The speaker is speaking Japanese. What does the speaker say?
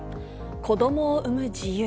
子どもを産む自由。